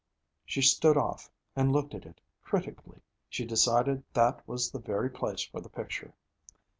She stood off and looked at it critically. She decided that was the very place for the picture.